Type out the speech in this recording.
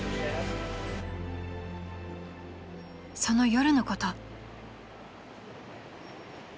［その夜のこと］